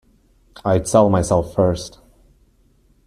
I'd sell myself first.